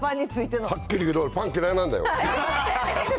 はっきり言うけど、パン嫌いなんだよ。